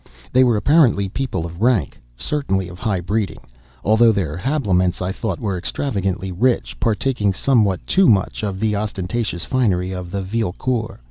They were, apparently, people of rank—certainly of high breeding—although their habiliments, I thought, were extravagantly rich, partaking somewhat too much of the ostentatious finery of the vielle cour.